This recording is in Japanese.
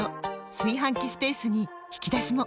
炊飯器スペースに引き出しも！